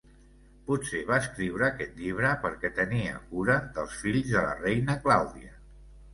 Potser va escriure aquest llibre perquè tenia cura dels fills de la reina Clàudia.